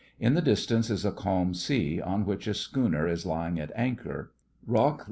In the distance is a calm sea, on which a schooner is lying at anchor. Rock L.